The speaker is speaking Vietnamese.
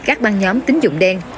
các ban nhóm tính dụng đen